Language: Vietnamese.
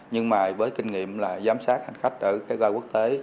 nhưng với kinh nghiệm giám sát hành khách ở ga quốc tế